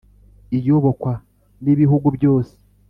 iyobokwa n’ibihugu byose,